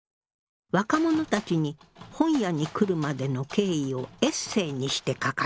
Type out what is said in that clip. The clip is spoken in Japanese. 若者たちに本屋に来るまでの経緯をエッセーにして書かせたの。